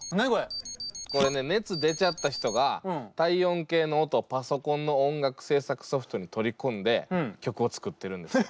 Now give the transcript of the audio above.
これね熱出ちゃった人が体温計の音をパソコンの音楽制作ソフトに取り込んで曲を作ってるんです。